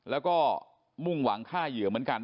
แล้วก็มุ่งหวังฆ่าเหยื่อเหมือนกัน